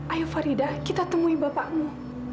ayo farida kita temui bapakmu